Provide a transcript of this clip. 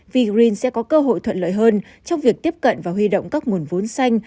vgreen sẽ có cơ hội thuận lợi hơn trong việc tiếp cận và huy động các nguồn vốn xanh